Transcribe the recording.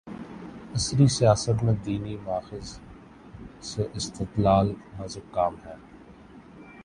عصری سیاست میں دینی ماخذ سے استدلال‘ نازک کام ہے۔